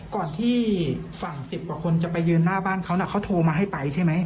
ก่อนที่ฝั่ง๑๐กว่าคนจะไปยืนหน้าบ้านเขาเขาโทรมาให้ไปใช่ไหม